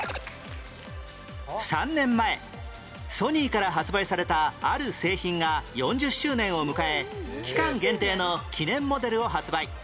ＳＯＮＹ から発売されたある製品が４０周年を迎え期間限定の記念モデルを発売